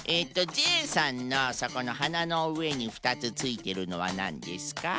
ジェイさんのそこのはなのうえにふたつついてるのはなんですか？